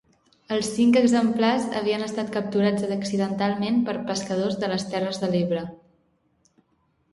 Els cinc exemplars havien estat capturats accidentalment per pescadors de les Terres de l'Ebre.